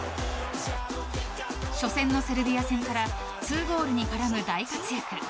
初戦のセルビア戦から２ゴールに絡む大活躍。